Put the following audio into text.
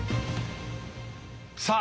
さあ